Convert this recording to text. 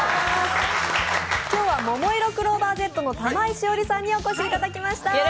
今日はももいろクローバーＺの玉井詩織さんにお越しいただきました。